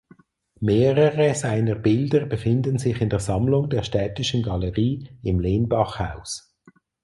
Mehrere seiner Bilder befinden sich in der Sammlung der Städtischen Galerie im Lenbachhaus.